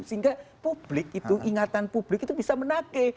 sehingga ingatan publik itu bisa menakik